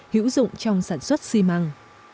hữu dụng trong sản xuất xi măng